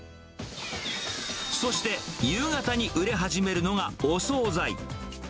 そして、夕方に売れ始めるのがお総菜。